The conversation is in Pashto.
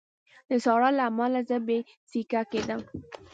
د ساړه له امله زه بې سېکه کېدم